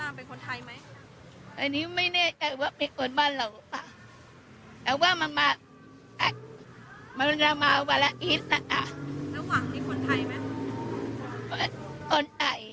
เขาบอกว่าเขาเป็นทหารทักษะอาณ